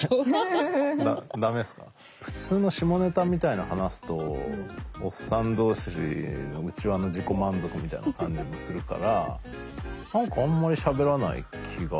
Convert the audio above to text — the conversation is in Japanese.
普通の下ネタみたいに話すとおっさん同士の内輪の自己満足みたいな感じもするから何かあんまりしゃべらない気が。